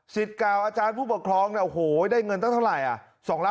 สิทธิ์เก่าอาจารย์ผู้ปกครองเนี่ยโอ้โหได้เงินตั้งเท่าไหร่อ่ะ